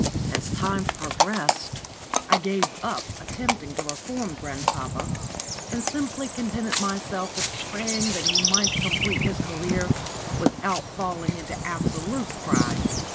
As time progressed I gave up attempting to reform grandpapa, and simply contented myself with praying that he might complete his career without falling into absolute crime.